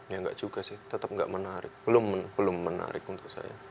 ya enggak juga sih tetap nggak menarik belum menarik untuk saya